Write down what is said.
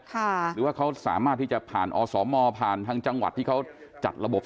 หรือว่าเขาสามารถที่จะผ่านอสมผ่านทางจังหวัดที่เขาจัดระบบ